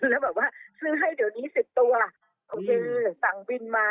แล้วแบบว่าซื้อให้เดี๋ยวนี้๑๐ตัวโอเคสั่งวินมา